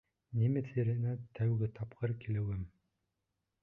Немец еренә тәүге тапҡыр килеүем.